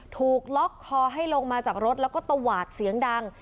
ถูกล็อกคอให้ลงมาจากรถแล้วก็ตวาดเสียงดัง